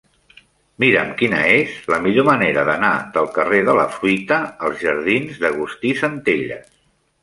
Mira'm quina és la millor manera d'anar del carrer de la Fruita als jardins d'Agustí Centelles.